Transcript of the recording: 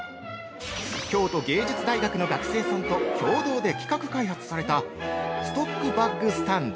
◆京都芸術大学の学生さんと共同で企画開発されたストックバッグスタンド。